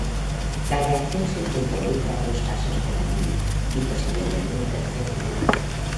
La reacción siempre involucra dos pasos como mínimo, y posiblemente un tercero.